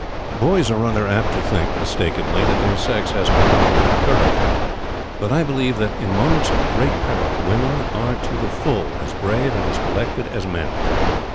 Boys are rather apt to think, mistakenly, that their sex has a monopoly of courage, but I believe that in moments of great peril women are to the full as brave and as collected as men.